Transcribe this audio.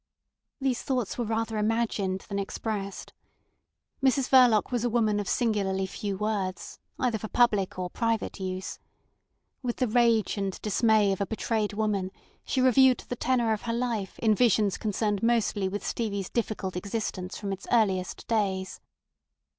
These thoughts were rather imagined than expressed. Mrs Verloc was a woman of singularly few words, either for public or private use. With the rage and dismay of a betrayed woman, she reviewed the tenor of her life in visions concerned mostly with Stevie's difficult existence from its earliest days.